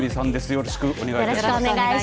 よろしくお願いします。